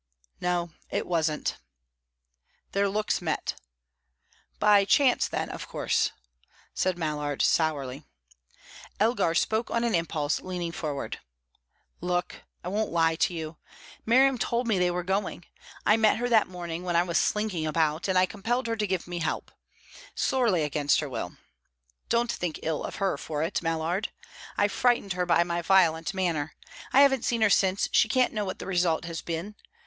"No, it wasn't." Their looks met. "By chance, then, of course?" said Mallard, sourly. Elgar spoke on an impulse, leaning forward. "Look, I won't lie to you. Miriam told me they were going. I met her that morning, when I was slinking about, and I compelled her to give me her help sorely against her will. Don't think ill of her for it, Mallard. I frightened her by my violent manner. I haven't seen her since; she can't know what the result has been.